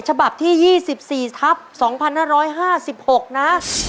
ฉบับที่๒๔ทับ๒๕๕๖นะ